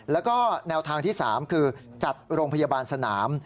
แล้วก็แนวทางที่๓คือจัดโรงพยาบาลสนาม